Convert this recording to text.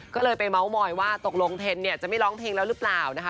ก็เลยไปเมาส์มอยว่าตกลงเทนเนี่ยจะไม่ร้องเพลงแล้วหรือเปล่านะคะ